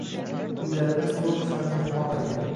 Uylarimiz tulmish mana mexmonlarga